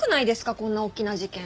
こんな大きな事件。